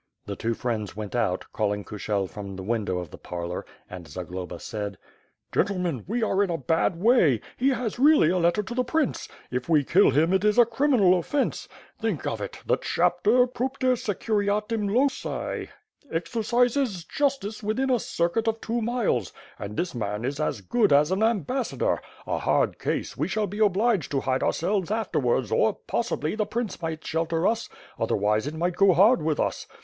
The two friends went out, calling Kushel from the window of the parlor; and Zagloba said: "Gentlemen, we are in a bad way; he has really a letter to the prince. If we kill him, it is a criminal offence. Think of it! The Chapter, propter securitatem loci, exercises jus tice within a circuit of two miles — and this man is as good as WITH FIRE AND SWORD. ^^g an ambassador. A hard case; we shall be obliged to hide our selves afterwards or, possibly, the Prince might shelter us; otherwise it might go hard with us.